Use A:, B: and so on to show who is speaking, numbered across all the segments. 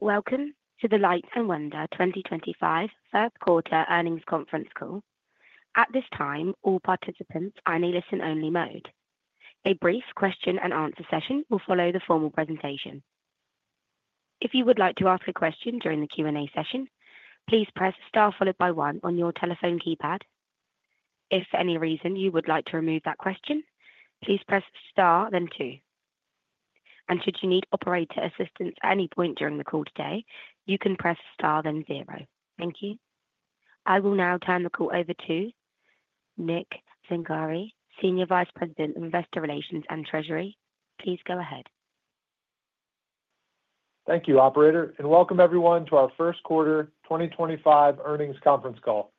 A: Welcome to the Light & Wonder 2025 First Quarter Earnings Conference Call. At this time, all participants are in a listen-only mode. A brief question-and-answer session will follow the formal presentation. If you would like to ask a question during the Q&A session, please press star followed by one on your telephone keypad. If for any reason you would like to remove that question, please press star, then two. Should you need operator assistance at any point during the call today, you can press star, then zero. Thank you. I will now turn the call over to Nick Zangari, Senior Vice President of Investor Relations and Treasury. Please go ahead.
B: Thank you, Operator, and welcome everyone to our First Quarter 2025 Earnings Conference Call.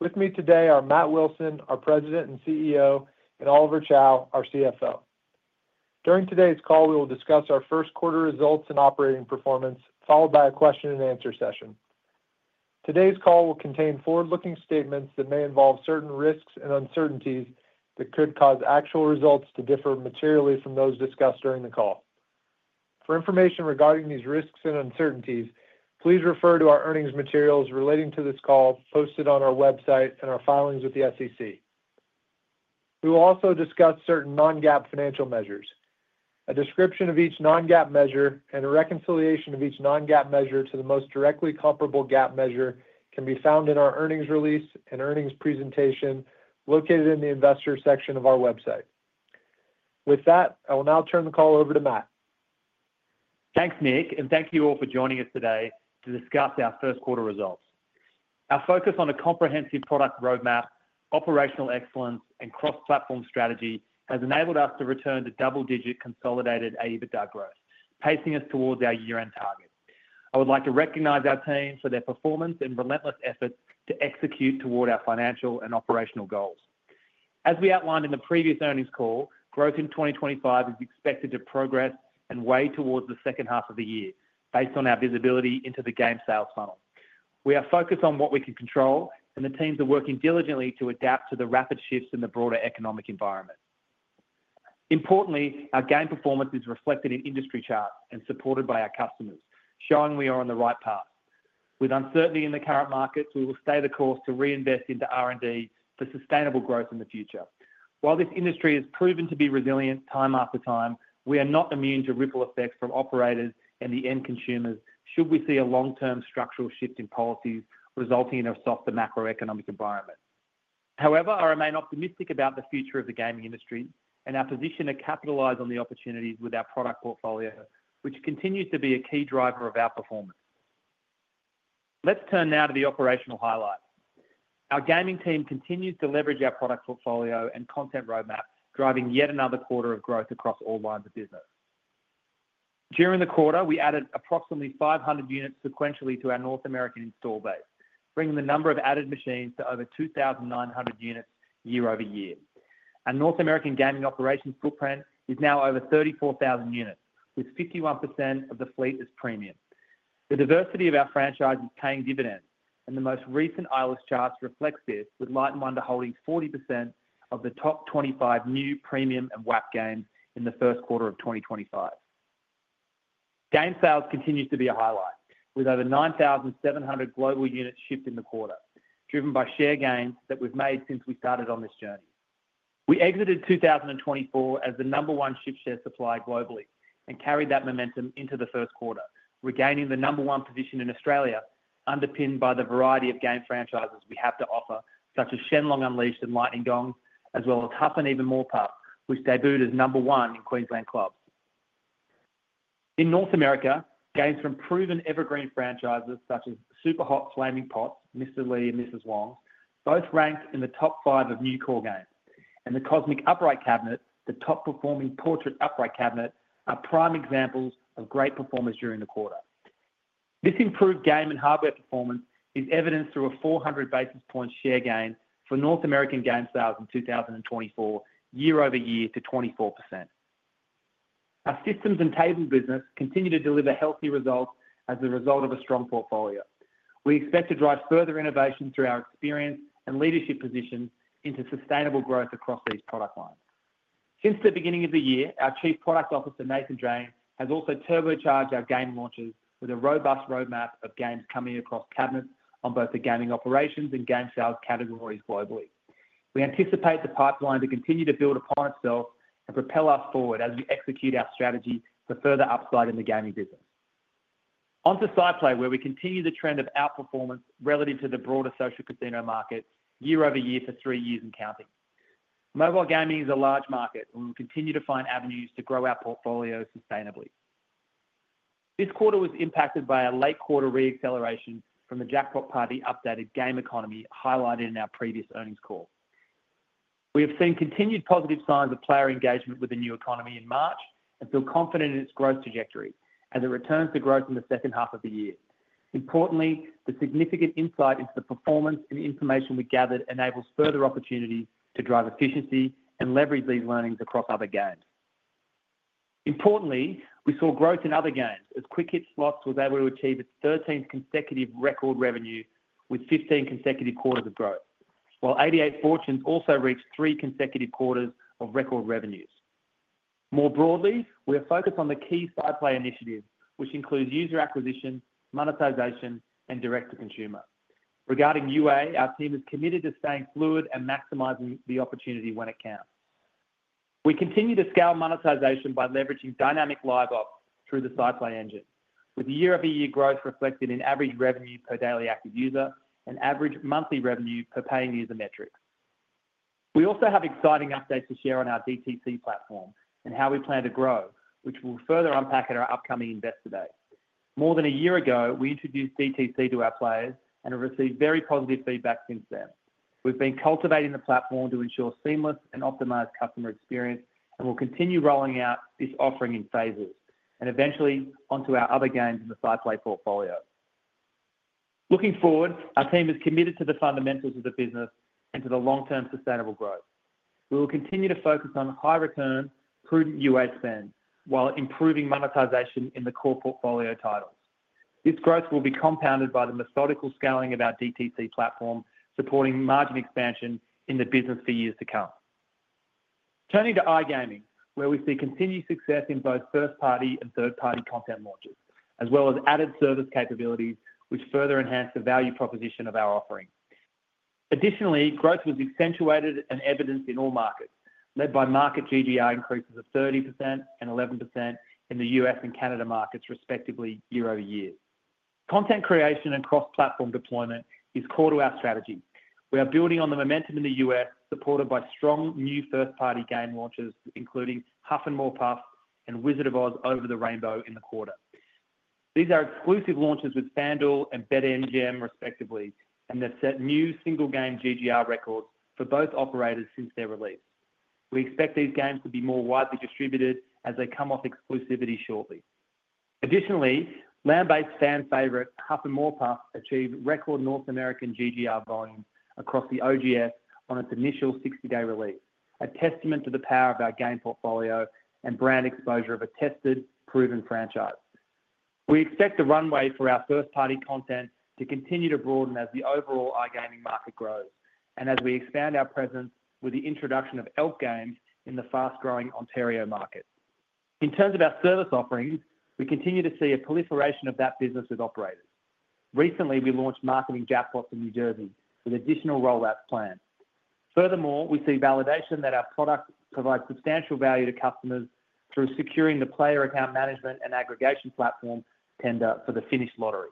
B: With me today are Matt Wilson, our President and CEO, and Oliver Chow, our CFO. During today's call, we will discuss our First Quarter results and operating performance, followed by a question-and-answer session. Today's call will contain forward-looking statements that may involve certain risks and uncertainties that could cause actual results to differ materially from those discussed during the call. For information regarding these risks and uncertainties, please refer to our earnings materials relating to this call posted on our website and our filings with the SEC. We will also discuss certain non-GAAP financial measures. A description of each non-GAAP measure and a reconciliation of each non-GAAP measure to the most directly comparable GAAP measure can be found in our earnings release and earnings presentation located in the investor section of our website. With that, I will now turn the call over to Matt.
C: Thanks, Nick, and thank you all for joining us today to discuss our first quarter results. Our focus on a comprehensive product roadmap, operational excellence, and cross-platform strategy has enabled us to return to double-digit consolidated AEBITDA growth, pacing us towards our year-end target. I would like to recognize our team for their performance and relentless effort to execute toward our financial and operational goals. As we outlined in the previous earnings call, growth in 2025 is expected to progress and weight towards the second half of the year based on our visibility into the game sales funnel. We are focused on what we can control, and the teams are working diligently to adapt to the rapid shifts in the broader economic environment. Importantly, our game performance is reflected in industry charts and supported by our customers, showing we are on the right path. With uncertainty in the current markets, we will stay the course to reinvest into R&D for sustainable growth in the future. While this industry has proven to be resilient time after time, we are not immune to ripple effects from operators and the end consumers should we see a long-term structural shift in policies resulting in a softer macroeconomic environment. However, I remain optimistic about the future of the gaming industry and our position to capitalize on the opportunities with our product portfolio, which continues to be a key driver of our performance. Let's turn now to the operational highlights. Our gaming team continues to leverage our product portfolio and content roadmap, driving yet another quarter of growth across all lines of business. During the quarter, we added approximately 500 units sequentially to our North American install base, bringing the number of added machines to over 2,900 units year-over-year. Our North American gaming operations footprint is now over 34,000 units, with 51% of the fleet as premium. The diversity of our franchise is paying dividends, and the most recent Eilers charts reflect this, with Light & Wonder holding 40% of the top 25 new premium and LAP games in the first quarter of 2025. Game sales continue to be a highlight, with over 9,700 global units shipped in the quarter, driven by share gains that we've made since we started on this journey. We exited 2024 as the number one ship share supplier globally and carried that momentum into the first quarter, regaining the number one position in Australia, underpinned by the variety of game franchises we have to offer, such as Shenlong Unleashed and Lightning Gong, as well as Huff N' Even More Puff, which debuted as number one in Queensland Clubs. In North America, games from proven evergreen franchises such as Super Hot Flaming Pots, Mr. Lee and Mrs. Wong both ranked in the top five of new core games, and the Cosmic Upright Cabinet, the top-performing portrait upright cabinet, are prime examples of great performance during the quarter. This improved game and hardware performance is evidenced through a 400 basis point share gain for North American game sales in 2024, year-over-year to 24%. Our systems and table business continue to deliver healthy results as a result of a strong portfolio. We expect to drive further innovation through our experience and leadership positions into sustainable growth across these product lines. Since the beginning of the year, our Chief Product Officer, Nathan Drane, has also turbocharged our game launches with a robust roadmap of games coming across cabinets on both the gaming operations and game sales categories globally. We anticipate the pipeline to continue to build upon itself and propel us forward as we execute our strategy for further upside in the gaming business. Onto Sideplay, where we continue the trend of outperformance relative to the broader social casino market year-over-year for three years and counting. Mobile gaming is a large market, and we will continue to find avenues to grow our portfolio sustainably. This quarter was impacted by a late quarter reacceleration from the Jackpot Party updated game economy highlighted in our previous earnings call. We have seen continued positive signs of player engagement with the new economy in March and feel confident in its growth trajectory as it returns to growth in the second half of the year. Importantly, the significant insight into the performance and information we gathered enables further opportunities to drive efficiency and leverage these learnings across other games. Importantly, we saw growth in other games as Quick Hit Slots was able to achieve its 13th consecutive record revenue with 15 consecutive quarters of growth, while 88 Fortunes also reached three consecutive quarters of record revenues. More broadly, we are focused on the key SciPlay initiative, which includes user acquisition, monetization, and direct-to-consumer. Regarding UA, our team is committed to staying fluid and maximizing the opportunity when it counts. We continue to scale monetization by leveraging dynamic live ops through the SciPlay engine, with year-over-year growth reflected in average revenue per daily active user and average monthly revenue per paying user metrics. We also have exciting updates to share on our DTC platform and how we plan to grow, which we will further unpack in our upcoming Investor Day. More than a year ago, we introduced DTC to our players and have received very positive feedback since then. We've been cultivating the platform to ensure seamless and optimized customer experience and will continue rolling out this offering in phases and eventually onto our other games in the SciPlay portfolio. Looking forward, our team is committed to the fundamentals of the business and to the long-term sustainable growth. We will continue to focus on high-return, prudent UA spend while improving monetization in the core portfolio titles. This growth will be compounded by the methodical scaling of our DTC platform, supporting margin expansion in the business for years to come. Turning to iGaming, where we see continued success in both first-party and third-party content launches, as well as added service capabilities, which further enhance the value proposition of our offering. Additionally, growth was accentuated and evidenced in all markets, led by market GGR increases of 30% and 11% in the U.S. and Canada markets, respectively, year-over-year. Content creation and cross-platform deployment is core to our strategy. We are building on the momentum in the U.S., supported by strong new first-party game launches, including HUFF N’ MORE PUFF and Wizard of Oz: Over the Rainbow in the quarter. These are exclusive launches with FanDuel and BetMGM, respectively, and have set new single-game GGR records for both operators since their release. We expect these games to be more widely distributed as they come off exclusivity shortly. Additionally, land-based fan favorite HUFF N’ MORE PUFF achieved record North American GGR volumes across the OGS on its initial 60-day release, a testament to the power of our game portfolio and brand exposure of a tested, proven franchise. We expect the runway for our first-party content to continue to broaden as the overall iGaming market grows and as we expand our presence with the introduction of ELK games in the fast-growing Ontario market. In terms of our service offerings, we continue to see a proliferation of that business with operators. Recently, we launched marketing jackpots in New Jersey with additional rollouts planned. Furthermore, we see validation that our product provides substantial value to customers through securing the player account management and aggregation platform tender for the Finnish lottery.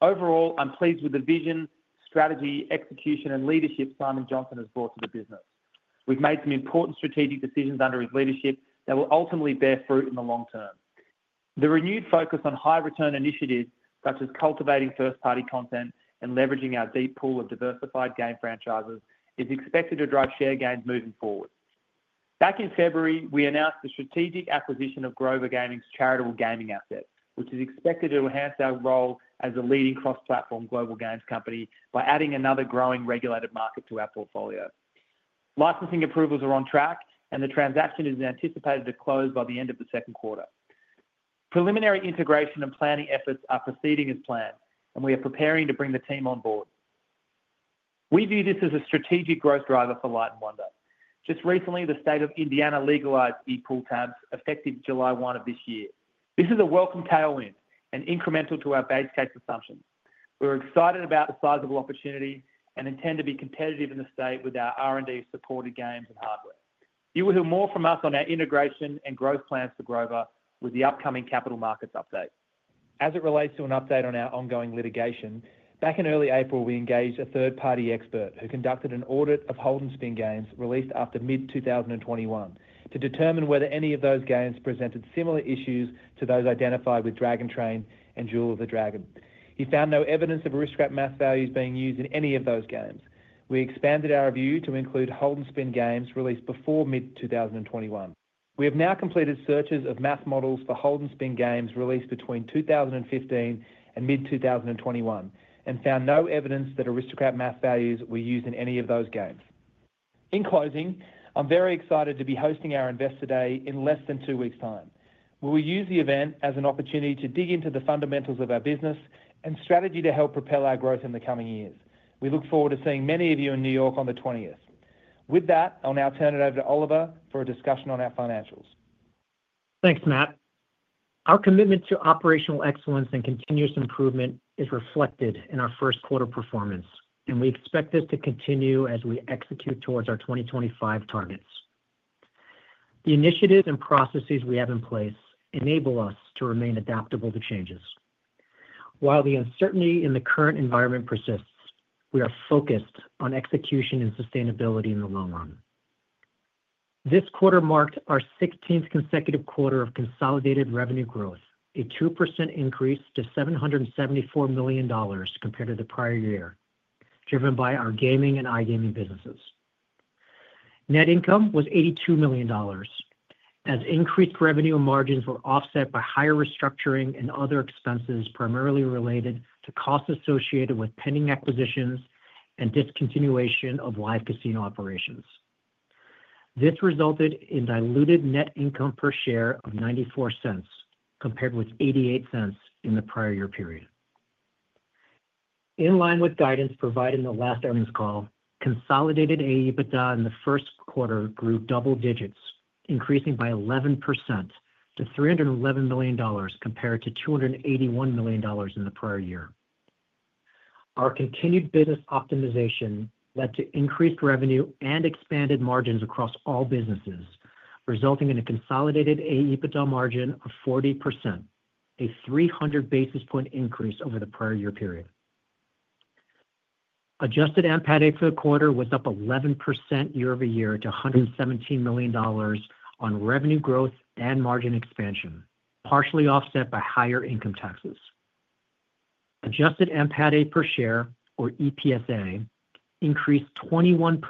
C: Overall, I'm pleased with the vision, strategy, execution, and leadership Simon Johnson has brought to the business. We've made some important strategic decisions under his leadership that will ultimately bear fruit in the long term. The renewed focus on high-return initiatives such as cultivating first-party content and leveraging our deep pool of diversified game franchises is expected to drive share gains moving forward. Back in February, we announced the strategic acquisition of Grover Gaming's charitable gaming asset, which is expected to enhance our role as a leading cross-platform global games company by adding another growing regulated market to our portfolio. Licensing approvals are on track, and the transaction is anticipated to close by the end of the second quarter. Preliminary integration and planning efforts are proceeding as planned, and we are preparing to bring the team on board. We view this as a strategic growth driver for Light & Wonder. Just recently, the state of Indiana legalized e-pull tabs effective July 1 of this year. This is a welcome tailwind and incremental to our base case assumptions. We're excited about the size of the opportunity and intend to be competitive in the state with our R&D-supported games and hardware. You will hear more from us on our integration and growth plans for Grover with the upcoming capital markets update. As it relates to an update on our ongoing litigation, back in early April, we engaged a third-party expert who conducted an audit of Hold & Spin games released after mid-2021 to determine whether any of those games presented similar issues to those identified with Dragon Train and Jewel of the Dragon. He found no evidence of risk-wrap math values being used in any of those games. We expanded our view to include Hold & Spin games released before mid-2021. We have now completed searches of math models for Hold & Spin games released between 2015 and mid-2021 and found no evidence that Aristocrat math values were used in any of those games. In closing, I'm very excited to be hosting our Investor Day in less than two weeks' time. We will use the event as an opportunity to dig into the fundamentals of our business and strategy to help propel our growth in the coming years. We look forward to seeing many of you in New York on the 20th. With that, I'll now turn it over to Oliver for a discussion on our financials.
D: Thanks, Matt. Our commitment to operational excellence and continuous improvement is reflected in our first quarter performance, and we expect this to continue as we execute towards our 2025 targets. The initiatives and processes we have in place enable us to remain adaptable to changes. While the uncertainty in the current environment persists, we are focused on execution and sustainability in the long run. This quarter marked our 16th consecutive quarter of consolidated revenue growth, a 2% increase to $774 million compared to the prior year, driven by our gaming and iGaming businesses. Net income was $82 million, as increased revenue and margins were offset by higher restructuring and other expenses primarily related to costs associated with pending acquisitions and discontinuation of live casino operations. This resulted in diluted net income per share of $0.94 compared with $0.88 in the prior year period. In line with guidance provided in the last earnings call, consolidated AEBITDA in the first quarter grew double digits, increasing by 11% to $311 million compared to $281 million in the prior year. Our continued business optimization led to increased revenue and expanded margins across all businesses, resulting in a consolidated AEBITDA margin of 40%, a 300 basis point increase over the prior year period. Adjusted NPAT for the quarter was up 11% year-over-year to $117 million on revenue growth and margin expansion, partially offset by higher income taxes. Adjusted NPATA per share, or EPSa, increased 21%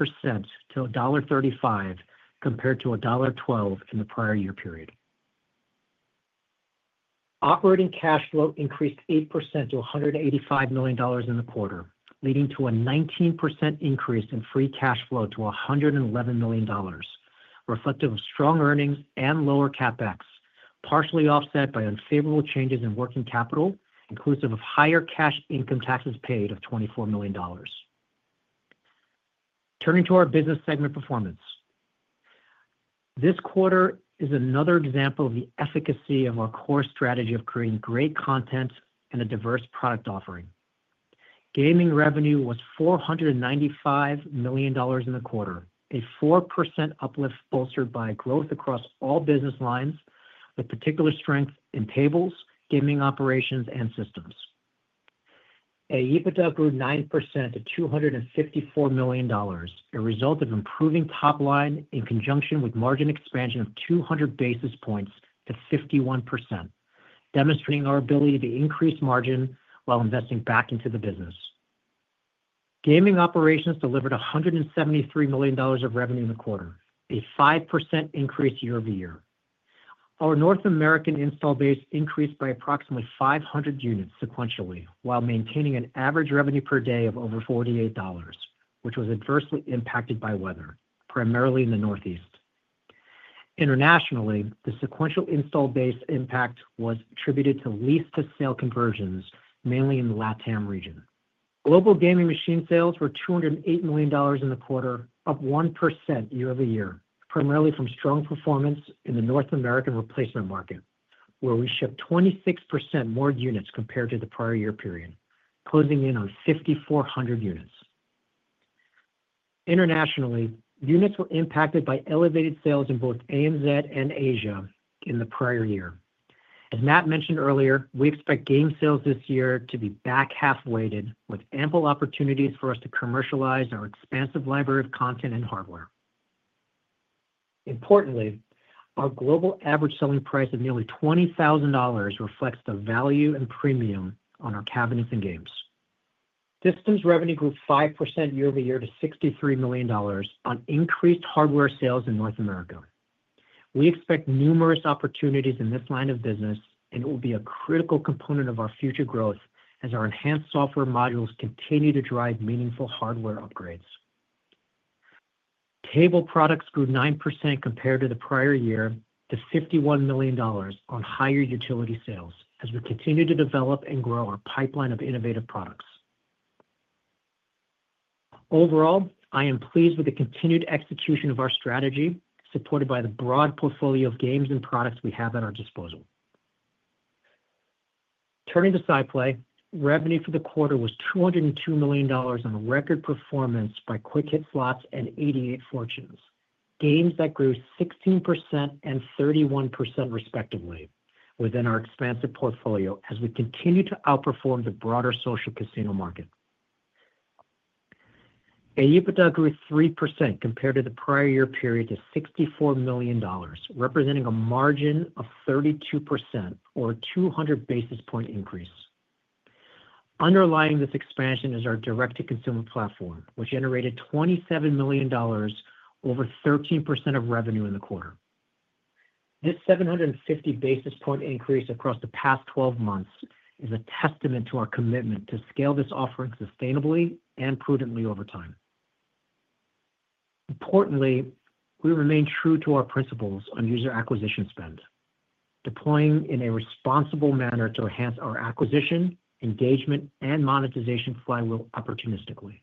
D: to $1.35 compared to $1.12 in the prior year period. Operating cash flow increased 8% to $185 million in the quarter, leading to a 19% increase in free cash flow to $111 million, reflective of strong earnings and lower CapEx, partially offset by unfavorable changes in working capital, inclusive of higher cash income taxes paid of $24 million. Turning to our business segment performance, this quarter is another example of the efficacy of our core strategy of creating great content and a diverse product offering. Gaming revenue was $495 million in the quarter, a 4% uplift bolstered by growth across all business lines, with particular strength in tables, gaming operations, and systems. AEBITDA grew 9% to $254 million, a result of improving top line in conjunction with margin expansion of 200 basis points to 51%, demonstrating our ability to increase margin while investing back into the business. Gaming operations delivered $173 million of revenue in the quarter, a 5% increase year-over-year. Our North American install base increased by approximately 500 units sequentially while maintaining an average revenue per day of over $48, which was adversely impacted by weather, primarily in the Northeast. Internationally, the sequential install base impact was attributed to lease-to-sale conversions, mainly in the LATAM region. Global gaming machine sales were $208 million in the quarter, up 1% year-over-year, primarily from strong performance in the North American replacement market, where we shipped 26% more units compared to the prior year period, closing in on 5,400 units. Internationally, units were impacted by elevated sales in both AMZ and Asia in the prior year. As Matt mentioned earlier, we expect game sales this year to be back half-weighted, with ample opportunities for us to commercialize our expansive library of content and hardware. Importantly, our global average selling price of nearly $20,000 reflects the value and premium on our cabinets and games. Systems revenue grew 5% year-over-year to $63 million on increased hardware sales in North America. We expect numerous opportunities in this line of business, and it will be a critical component of our future growth as our enhanced software modules continue to drive meaningful hardware upgrades. Table products grew 9% compared to the prior year to $51 million on higher utility sales as we continue to develop and grow our pipeline of innovative products. Overall, I am pleased with the continued execution of our strategy, supported by the broad portfolio of games and products we have at our disposal. Turning to SciPlay, revenue for the quarter was $202 million on record performance by Quick Hit Slots and 88 Fortunes, games that grew 16% and 31% respectively within our expansive portfolio as we continue to outperform the broader social casino market. AEBITDA grew 3% compared to the prior year period to $64 million, representing a margin of 32%, or a 200 basis point increase. Underlying this expansion is our direct-to-consumer platform, which generated $27 million, over 13% of revenue in the quarter. This 750 basis point increase across the past 12 months is a testament to our commitment to scale this offering sustainably and prudently over time. Importantly, we remain true to our principles on user acquisition spend, deploying in a responsible manner to enhance our acquisition, engagement, and monetization flywheel opportunistically.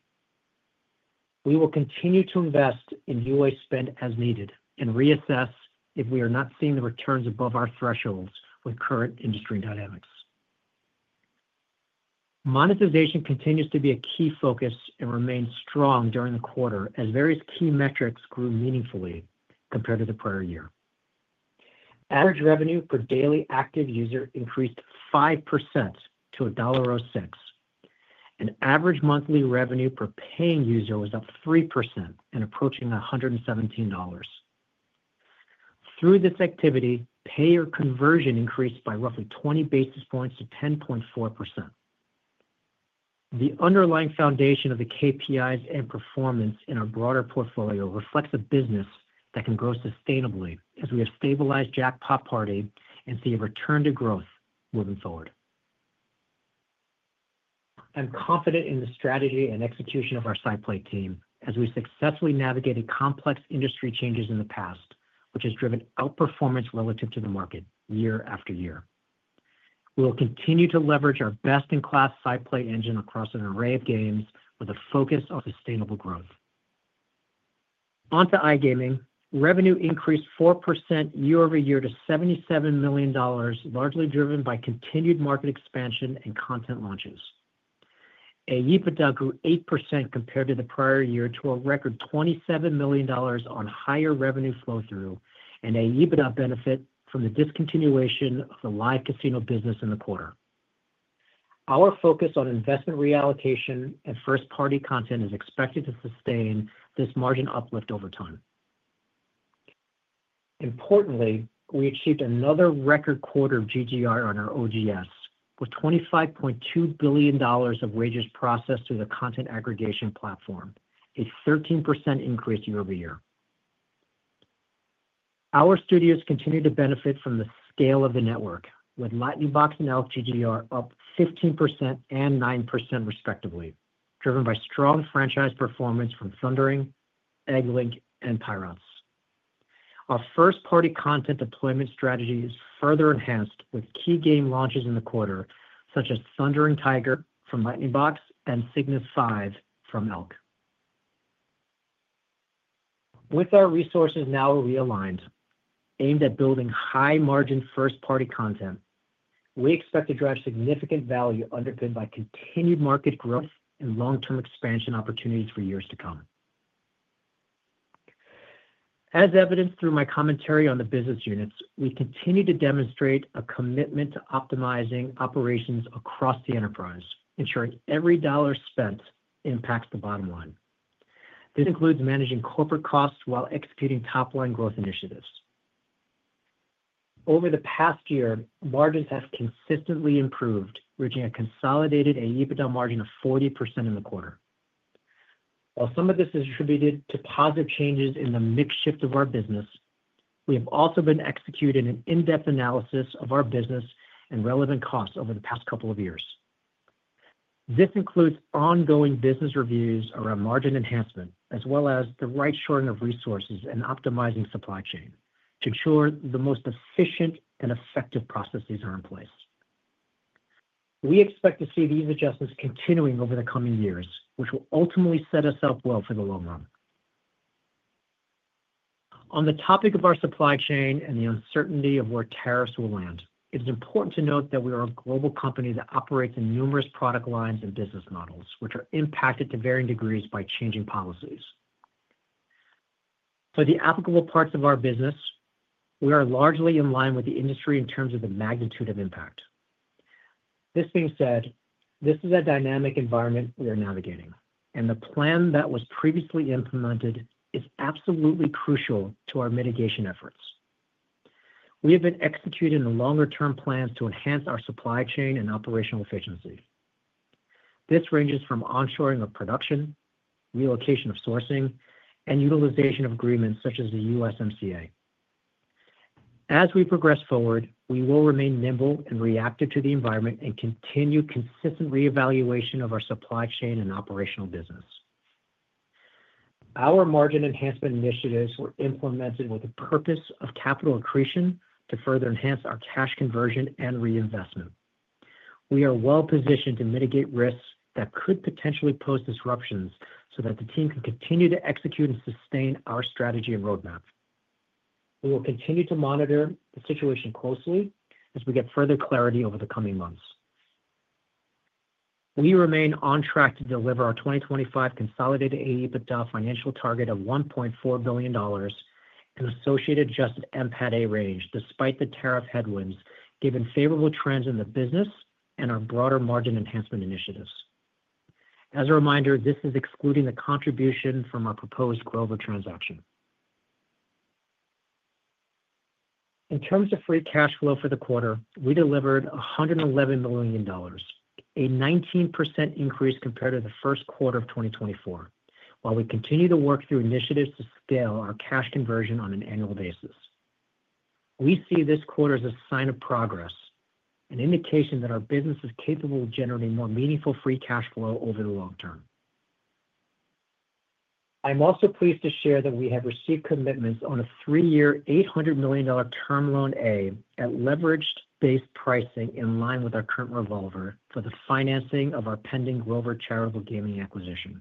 D: We will continue to invest in U.S. spend as needed and reassess if we are not seeing the returns above our thresholds with current industry dynamics. Monetization continues to be a key focus and remains strong during the quarter as various key metrics grew meaningfully compared to the prior year. Average revenue per daily active user increased 5% to $1.06, and average monthly revenue per paying user was up 3% and approaching $117. Through this activity, payer conversion increased by roughly 20 basis points to 10.4%. The underlying foundation of the KPIs and performance in our broader portfolio reflects a business that can grow sustainably as we have stabilized Jackpot Party and see a return to growth moving forward. I'm confident in the strategy and execution of our SciPlay team as we successfully navigated complex industry changes in the past, which has driven outperformance relative to the market year after year. We will continue to leverage our best-in-class SciPlay engine across an array of games with a focus on sustainable growth. Onto iGaming, revenue increased 4% year-over-year to $77 million, largely driven by continued market expansion and content launches. AEBITDA grew 8% compared to the prior year to a record $27 million on higher revenue flow-through and AEBITDA benefit from the discontinuation of the live casino business in the quarter. Our focus on investment reallocation and first-party content is expected to sustain this margin uplift over time. Importantly, we achieved another record quarter of GGR on our OGS, with $25.2 billion of wagers processed through the content aggregation platform, a 13% increase year-over-year. Our studios continue to benefit from the scale of the network, with Lightning Box and ELK, GGR up 15% and 9% respectively, driven by strong franchise performance from Thundering, EggLink, and Pyronce. Our first-party content deployment strategy is further enhanced with key game launches in the quarter, such as Thundering Tiger from Lightning Box and Cygnus 5 from ELK. With our resources now realigned, aimed at building high-margin first-party content, we expect to drive significant value underpinned by continued market growth and long-term expansion opportunities for years to come. As evidenced through my commentary on the business units, we continue to demonstrate a commitment to optimizing operations across the enterprise, ensuring every dollar spent impacts the bottom line. This includes managing corporate costs while executing top-line growth initiatives. Over the past year, margins have consistently improved, reaching a consolidated AEBITDA margin of 40% in the quarter. While some of this is attributed to positive changes in the mix shift of our business, we have also been executing an in-depth analysis of our business and relevant costs over the past couple of years. This includes ongoing business reviews around margin enhancement, as well as the right shoring of resources and optimizing supply chain to ensure the most efficient and effective processes are in place. We expect to see these adjustments continuing over the coming years, which will ultimately set us up well for the long run. On the topic of our supply chain and the uncertainty of where tariffs will land, it is important to note that we are a global company that operates in numerous product lines and business models, which are impacted to varying degrees by changing policies. For the applicable parts of our business, we are largely in line with the industry in terms of the magnitude of impact. This being said, this is a dynamic environment we are navigating, and the plan that was previously implemented is absolutely crucial to our mitigation efforts. We have been executing the longer-term plans to enhance our supply chain and operational efficiency. This ranges from onshoring of production, relocation of sourcing, and utilization of agreements such as the USMCA. As we progress forward, we will remain nimble and reactive to the environment and continue consistent reevaluation of our supply chain and operational business. Our margin enhancement initiatives were implemented with the purpose of capital accretion to further enhance our cash conversion and reinvestment. We are well-positioned to mitigate risks that could potentially pose disruptions so that the team can continue to execute and sustain our strategy and roadmap. We will continue to monitor the situation closely as we get further clarity over the coming months. We remain on track to deliver our 2025 consolidated AEBITDA financial target of $1.4 billion and associated adjusted NPATA range, despite the tariff headwinds given favorable trends in the business and our broader margin enhancement initiatives. As a reminder, this is excluding the contribution from our proposed Grover transaction. In terms of free cash flow for the quarter, we delivered $111 million, a 19% increase compared to the first quarter of 2024, while we continue to work through initiatives to scale our cash conversion on an annual basis. We see this quarter as a sign of progress, an indication that our business is capable of generating more meaningful free cash flow over the long term. I'm also pleased to share that we have received commitments on a three-year $800 million term loan A at leverage-based pricing in line with our current revolver for the financing of our pending Grover charitable gaming acquisition.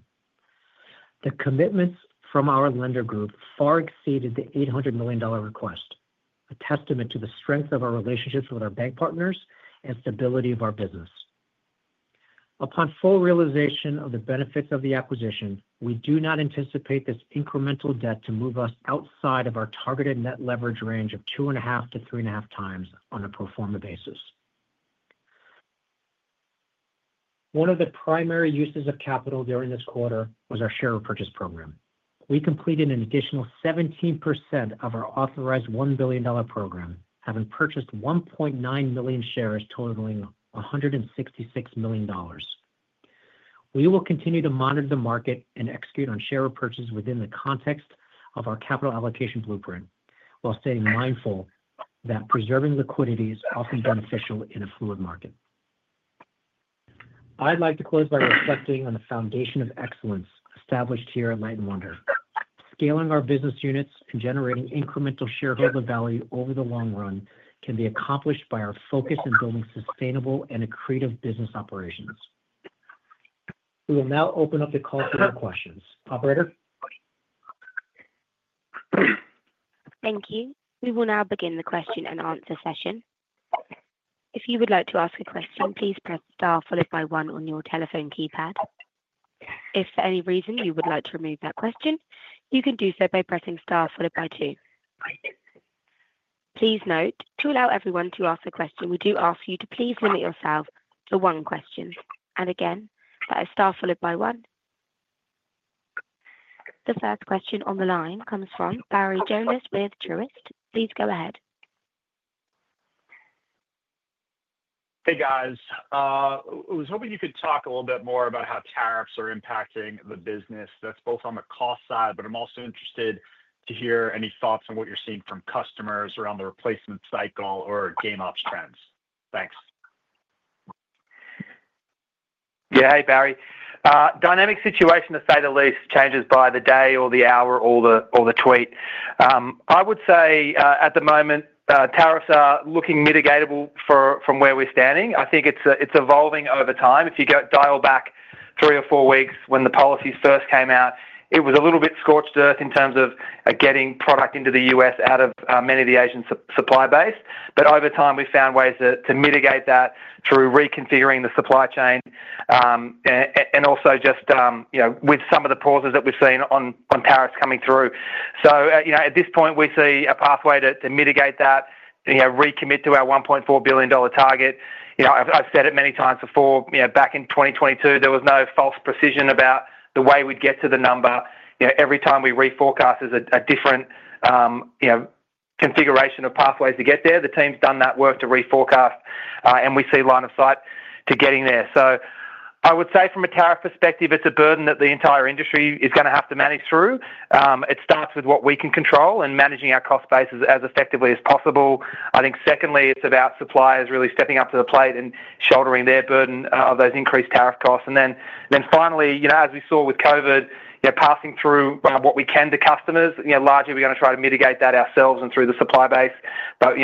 D: The commitments from our lender group far exceeded the $800 million request, a testament to the strength of our relationships with our bank partners and stability of our business. Upon full realization of the benefits of the acquisition, we do not anticipate this incremental debt to move us outside of our targeted net leverage range of 2.5x-3.5x on a proforma basis. One of the primary uses of capital during this quarter was our share purchase program. We completed an additional 17% of our authorized $1 billion program, having purchased 1.9 million shares totaling $166 million. We will continue to monitor the market and execute on share purchases within the context of our capital allocation blueprint, while staying mindful that preserving liquidity is often beneficial in a fluid market. I'd like to close by reflecting on the foundation of excellence established here at Light & Wonder. Scaling our business units and generating incremental shareholder value over the long run can be accomplished by our focus in building sustainable and accretive business operations. We will now open up the call for more questions. Operator?
A: Thank you. We will now begin the question and answer session. If you would like to ask a question, please press star followed by one on your telephone keypad. If for any reason you would like to remove that question, you can do so by pressing star followed by two. Please note, to allow everyone to ask a question, we do ask you to please limit yourself to one question. Again, that is star followed by one. The first question on the line comes from Barry Jonas with Truist. Please go ahead.
E: Hey, guys. I was hoping you could talk a little bit more about how tariffs are impacting the business. That is both on the cost side, but I am also interested to hear any thoughts on what you are seeing from customers around the replacement cycle or GameOps trends. Thanks.
C: Yeah, hey, Barry. Dynamic situation, to say the least, changes by the day or the hour or the tweet. I would say at the moment, tariffs are looking mitigatable from where we are standing. I think it is evolving over time. If you dial back three or four weeks when the policies first came out, it was a little bit scorched earth in terms of getting product into the U.S. out of many of the Asian supply base. Over time, we found ways to mitigate that through reconfiguring the supply chain and also just with some of the pauses that we've seen on tariffs coming through. At this point, we see a pathway to mitigate that, recommit to our $1.4 billion target. I've said it many times before. Back in 2022, there was no false precision about the way we'd get to the number. Every time we reforecast, there's a different configuration of pathways to get there. The team's done that work to reforecast, and we see line of sight to getting there. I would say from a tariff perspective, it's a burden that the entire industry is going to have to manage through. It starts with what we can control and managing our cost bases as effectively as possible. I think secondly, it's about suppliers really stepping up to the plate and shouldering their burden of those increased tariff costs. Finally, as we saw with COVID, passing through what we can to customers. Largely, we're going to try to mitigate that ourselves and through the supply base.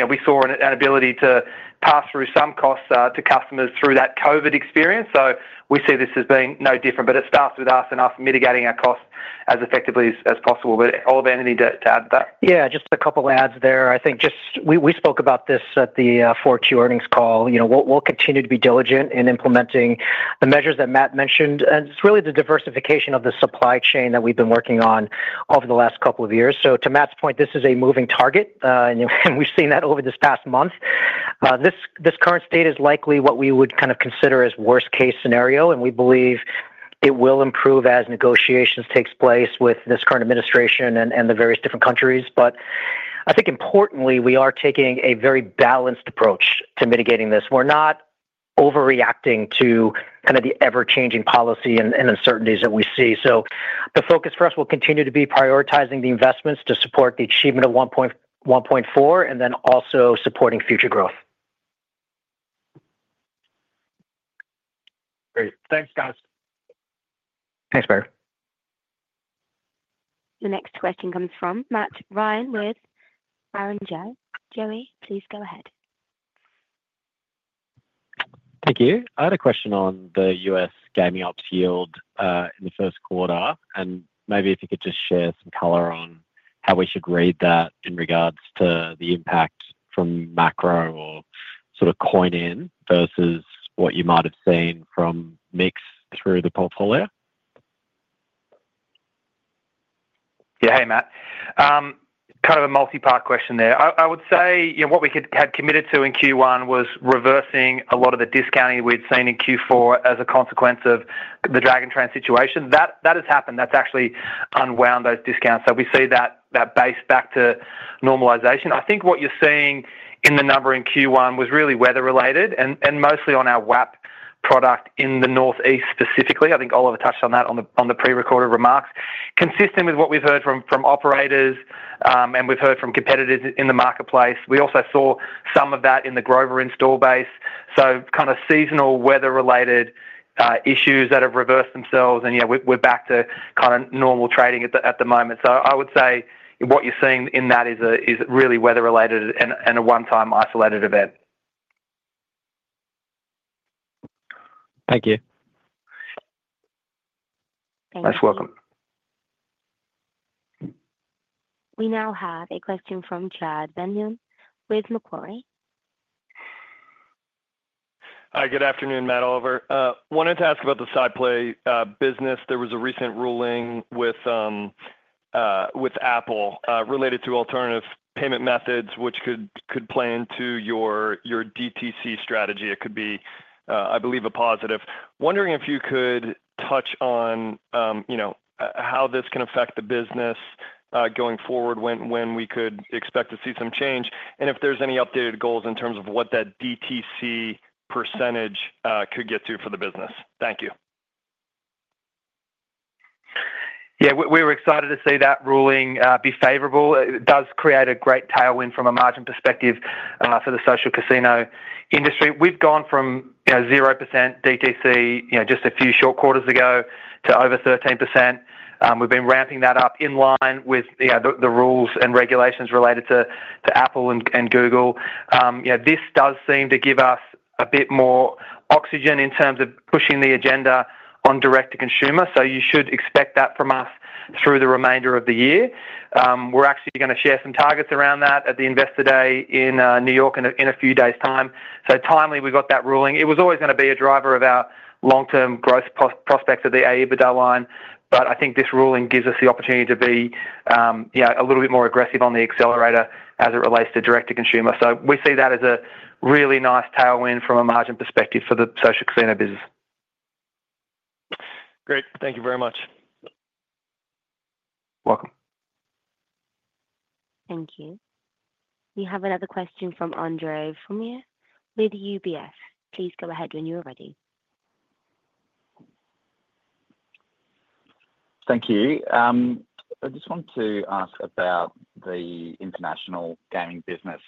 C: We saw an ability to pass through some costs to customers through that COVID experience. We see this as being no different. It starts with us and us mitigating our costs as effectively as possible. Oliver, anything to add to that?
D: Yeah, just a couple of adds there. I think we spoke about this at the Q4 earnings call. We'll continue to be diligent in implementing the measures that Matt mentioned. It is really the diversification of the supply chain that we've been working on over the last couple of years. To Matt's point, this is a moving target, and we've seen that over this past month. This current state is likely what we would kind of consider as worst-case scenario, and we believe it will improve as negotiations take place with this current administration and the various different countries. I think importantly, we are taking a very balanced approach to mitigating this. We're not overreacting to kind of the ever-changing policy and uncertainties that we see. The focus for us will continue to be prioritizing the investments to support the achievement of $1.4 billion and then also supporting future growth.
E: Great. Thanks, guys.
C: Thanks, Barry.
A: The next question comes from Matt Ryan with Barrenjoey. Please go ahead.
F: Thank you. I had a question on the U.S. Gaming Ops yield in the first quarter, and maybe if you could just share some color on how we should read that in regards to the impact from macro or sort of coin in versus what you might have seen from mix through the portfolio.
C: Yeah, hey, Matt. Kind of a multi-part question there. I would say what we had committed to in Q1 was reversing a lot of the discounting we'd seen in Q4 as a consequence of the Dragon Train situation. That has happened. That's actually unwound those discounts. So we see that base back to normalization. I think what you're seeing in the number in Q1 was really weather-related and mostly on our WAP product in the northeast specifically. I think Oliver touched on that on the prerecorded remarks. Consistent with what we've heard from operators and we've heard from competitors in the marketplace. We also saw some of that in the Grover install base. Kind of seasonal weather-related issues that have reversed themselves, and yeah, we're back to kind of normal trading at the moment. I would say what you're seeing in that is really weather-related and a one-time isolated event.
F: Thank you.
A: Thank you.
C: Most welcome.
A: We now have a question from Chad Beynon with Macquarie.
G: Hi, good afternoon, Matt, Oliver. Wanted to ask about the SciPlay business. There was a recent ruling with Apple related to alternative payment methods, which could play into your DTC strategy. It could be, I believe, a positive. Wondering if you could touch on how this can affect the business going forward, when we could expect to see some change, and if there's any updated goals in terms of what that DTC percentage could get to for the business. Thank you.
C: Yeah, we were excited to see that ruling be favorable. It does create a great tailwind from a margin perspective for the social casino industry. We've gone from 0% DTC just a few short quarters ago to over 13%. We've been ramping that up in line with the rules and regulations related to Apple and Google. This does seem to give us a bit more oxygen in terms of pushing the agenda on direct-to-consumer. You should expect that from us through the remainder of the year. We're actually going to share some targets around that at the Investor Day in New York in a few days' time. Timely, we got that ruling. It was always going to be a driver of our long-term growth prospects of the AEBITDA line, but I think this ruling gives us the opportunity to be a little bit more aggressive on the accelerator as it relates to direct-to-consumer. We see that as a really nice tailwind from a margin perspective for the social casino business.
G: Great. Thank you very much.
C: Welcome.
A: Thank you. We have another question from Andre Fromyhr with UBS. Please go ahead when you're ready.
H: Thank you. I just want to ask about the international gaming business.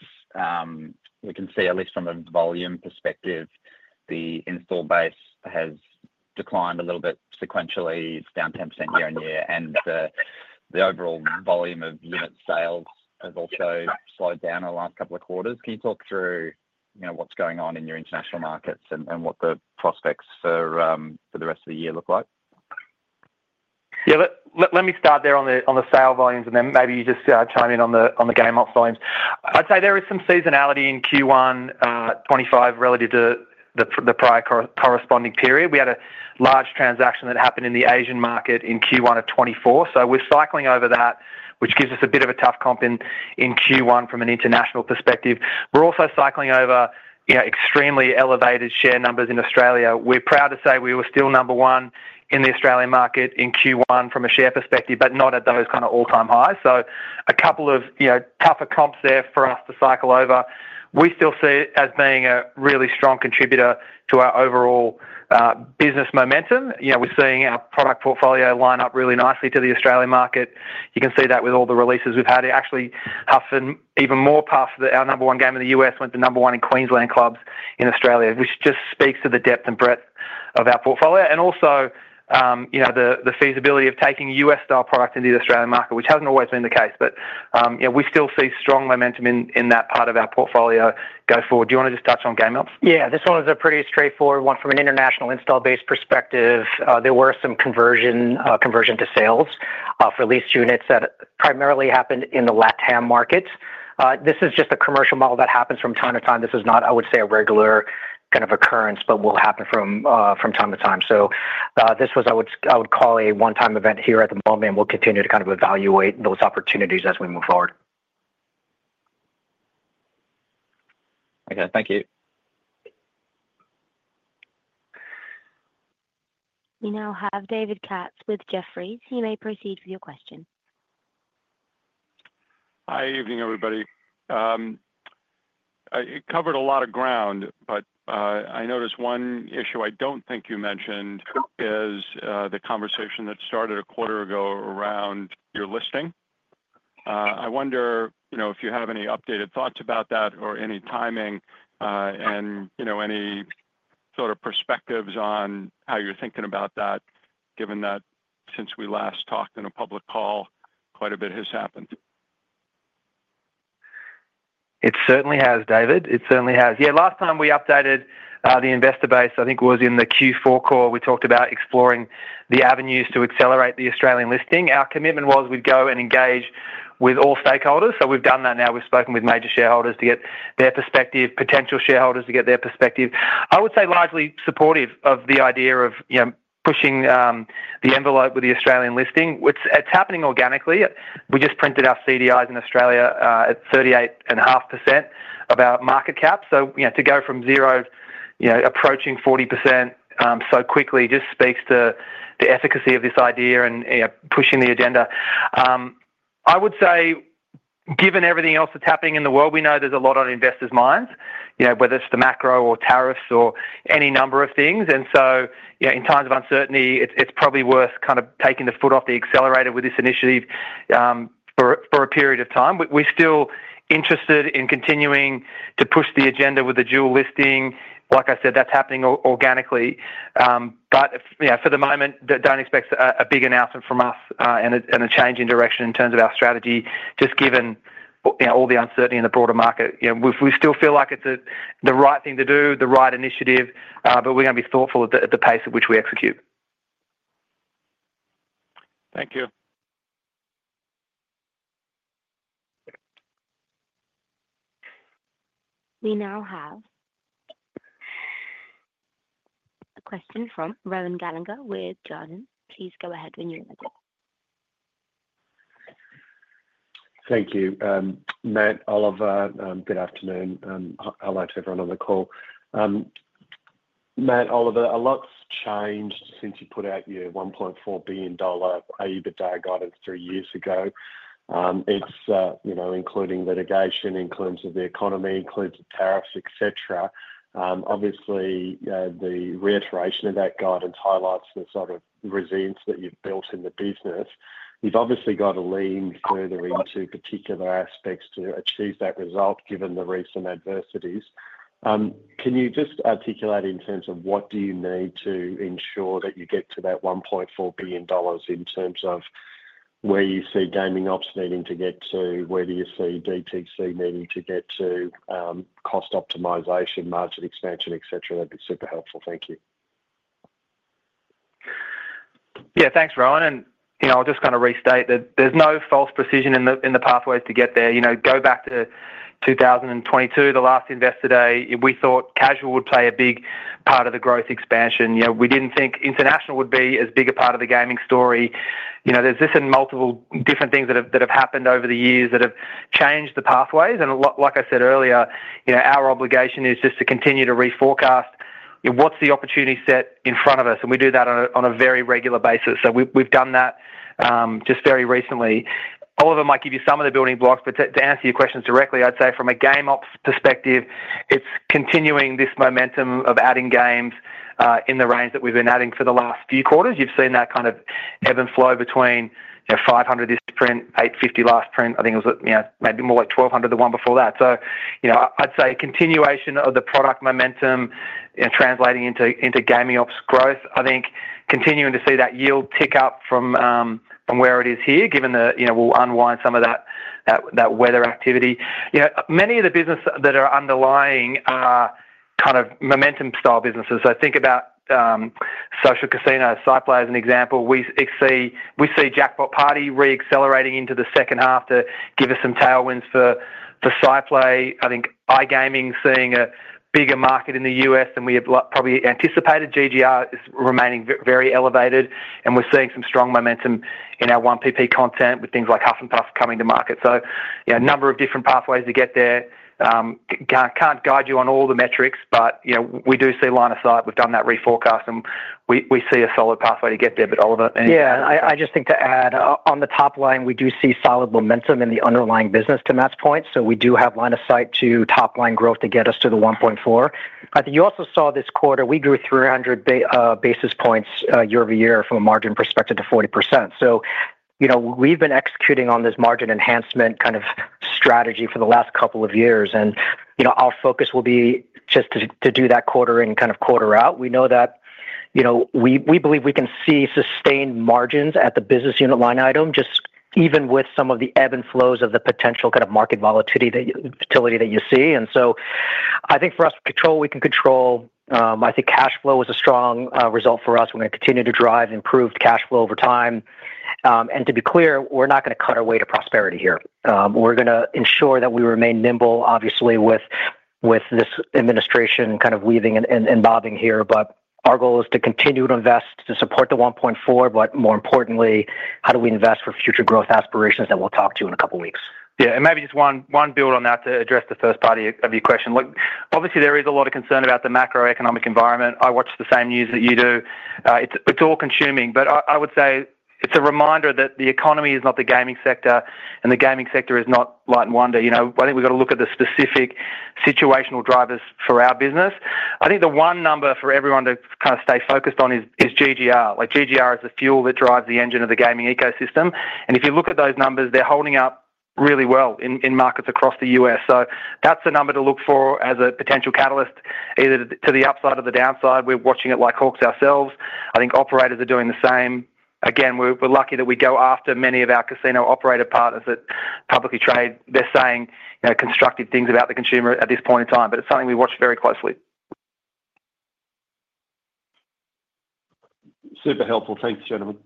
H: We can see, at least from a volume perspective, the install base has declined a little bit sequentially. It's down 10% year on year, and the overall volume of unit sales has also slowed down in the last couple of quarters. Can you talk through what's going on in your international markets and what the prospects for the rest of the year look like?
C: Yeah, let me start there on the sale volumes, and then maybe you just chime in on the GameOps volumes. I'd say there is some seasonality in Q1 2025 relative to the prior corresponding period. We had a large transaction that happened in the Asian market in Q1 of 2024. So we're cycling over that, which gives us a bit of a tough comp in Q1 from an international perspective. We're also cycling over extremely elevated share numbers in Australia. We're proud to say we were still number one in the Australian market in Q1 from a share perspective, but not at those kind of all-time highs. A couple of tougher comps there for us to cycle over. We still see it as being a really strong contributor to our overall business momentum. We're seeing our product portfolio line up really nicely to the Australian market. You can see that with all the releases we've had. It actually hustled even more past our number one game in the U.S., went to number one in Queensland Clubs in Australia, which just speaks to the depth and breadth of our portfolio. Also the feasibility of taking U.S.-style products into the Australian market, which hasn't always been the case, but we still see strong momentum in that part of our portfolio go forward. Do you want to just touch on GameOps?
D: Yeah, this one is a pretty straightforward one from an international install-based perspective. There were some conversions to sales for leased units that primarily happened in the LATAM market. This is just a commercial model that happens from time to time. This is not, I would say, a regular kind of occurrence, but will happen from time to time. This was, I would call, a one-time event here at the moment, and we'll continue to kind of evaluate those opportunities as we move forward.
H: Okay, thank you.
A: We now have David Katz with Jefferies. He may proceed with your question.
I: Hi, evening, everybody. I covered a lot of ground, but I noticed one issue I don't think you mentioned is the conversation that started a quarter ago around your listing. I wonder if you have any updated thoughts about that or any timing and any sort of perspectives on how you're thinking about that, given that since we last talked in a public call, quite a bit has happened.
D: It certainly has, David. It certainly has.
C: Yeah, last time we updated the Investor Base, I think it was in the Q4 call, we talked about exploring the avenues to accelerate the Australian listing. Our commitment was we'd go and engage with all stakeholders. So we've done that now. We've spoken with major shareholders to get their perspective, potential shareholders to get their perspective. I would say largely supportive of the idea of pushing the envelope with the Australian listing. It's happening organically. We just printed our CDIs in Australia at 38.5% of our market cap. To go from zero approaching 40% so quickly just speaks to the efficacy of this idea and pushing the agenda. I would say, given everything else that's happening in the world, we know there's a lot on investors' minds, whether it's the macro or tariffs or any number of things. In times of uncertainty, it's probably worth kind of taking the foot off the accelerator with this initiative for a period of time. We're still interested in continuing to push the agenda with the dual listing. Like I said, that's happening organically. For the moment, don't expect a big announcement from us and a change in direction in terms of our strategy, just given all the uncertainty in the broader market. We still feel like it's the right thing to do, the right initiative, but we're going to be thoughtful at the pace at which we execute.
I: Thank you.
A: We now have a question from Rohan Gallagher with Jarden. Please go ahead when you're ready.
J: Thank you. Matt, Oliver, good afternoon. Hello to everyone on the call. Matt, Oliver, a lot's changed since you put out your $1.4 billion AEBITDA guidance three years ago, including litigation, including the economy, including tariffs, etc. Obviously, the reiteration of that guidance highlights the sort of resilience that you've built in the business. You've obviously got to lean further into particular aspects to achieve that result, given the recent adversities. Can you just articulate in terms of what do you need to ensure that you get to that $1.4 billion in terms of where you see Gaming Ops needing to get to? Where do you see DTC needing to get to? Cost optimization, margin expansion, etc. That'd be super helpful. Thank you.
C: Yeah, thanks, Rohan. I'll just kind of restate that there's no false precision in the pathways to get there. Go back to 2022, the last Investor Day. We thought casual would play a big part of the growth expansion. We didn't think international would be as big a part of the gaming story. There have just been multiple different things that have happened over the years that have changed the pathways. Like I said earlier, our obligation is just to continue to reforecast what's the opportunity set in front of us. We do that on a very regular basis. We've done that just very recently. Oliver might give you some of the building blocks, but to answer your questions directly, I'd say from a GameOps perspective, it's continuing this momentum of adding games in the range that we've been adding for the last few quarters. You've seen that kind of ebb and flow between 500 this print, 850 last print. I think it was maybe more like 1,200, the one before that. I'd say continuation of the product momentum and translating into Gaming Ops growth. I think continuing to see that yield tick up from where it is here, given that we'll unwind some of that weather activity. Many of the businesses that are underlying are kind of momentum-style businesses. Think about social casino. SciPlay as an example. We see Jackpot Party reaccelerating into the second half to give us some tailwinds for SciPlay. I think iGaming's seeing a bigger market in the U.S. than we had probably anticipated. GGR is remaining very elevated, and we're seeing some strong momentum in our 1PP content with things like HUFF N’ PUFF coming to market. A number of different pathways to get there. Can't guide you on all the metrics, but we do see line of sight. We've done that reforecast, and we see a solid pathway to get there, but Oliver.
D: Yeah, and I just think to add, on the top line, we do see solid momentum in the underlying business to Matt's point. We do have line of sight to top-line growth to get us to the 1.4. I think you also saw this quarter. We grew 300 basis points year-over-year from a margin perspective to 40%. We have been executing on this margin enhancement kind of strategy for the last couple of years, and our focus will be just to do that quarter in, kind of quarter out. We know that we believe we can see sustained margins at the business unit line item, just even with some of the ebb and flows of the potential kind of market volatility that you see. I think for us, control, we can control. I think cash flow was a strong result for us. We are going to continue to drive improved cash flow over time. To be clear, we are not going to cut our way to prosperity here. We are going to ensure that we remain nimble, obviously, with this administration kind of weaving and bobbing here. Our goal is to continue to invest to support the 1.4, but more importantly, how do we invest for future growth aspirations that we'll talk to you in a couple of weeks.
C: Yeah, and maybe just one build on that to address the first part of your question. Obviously, there is a lot of concern about the macroeconomic environment. I watch the same news that you do. It's all-consuming, but I would say it's a reminder that the economy is not the gaming sector, and the gaming sector is not Light & Wonder. I think we've got to look at the specific situational drivers for our business. I think the one number for everyone to kind of stay focused on is GGR. GGR is the fuel that drives the engine of the gaming ecosystem. If you look at those numbers, they're holding up really well in markets across the U.S. That is the number to look for as a potential catalyst, either to the upside or the downside. We're watching it like hawks ourselves. I think operators are doing the same. Again, we're lucky that we go after many of our casino operator partners that publicly trade. They're saying constructive things about the consumer at this point in time, but it's something we watch very closely.
J: Super helpful. Thanks, gentlemen.